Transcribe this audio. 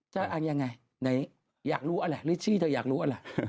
จะอ่านยังไงอยากรู้อะไรหรือชื่อเธออยากรู้อะไร